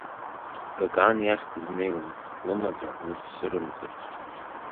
Какан иахь дызнеиуамызт, лымаӡа лыцәцәырымҵырц.